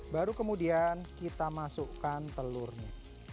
baru kemudian kita masukkan telurnya